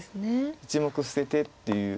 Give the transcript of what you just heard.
１目捨ててっていう。